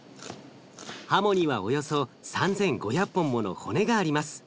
ハモにはおよそ３，５００本もの骨があります。